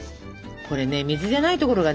これね水じゃないところがね。